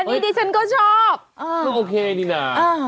อันนี้ดิฉันก็ชอบอ่าโอเคนี่น่ะอ่า